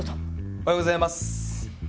おはようございます。